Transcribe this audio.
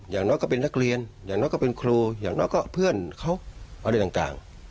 อย่างน้อยก็เป็นนักเรียนอย่างน้อยก็เป็นครูอย่างน้อยก็เพื่อนเขาอะไรต่าง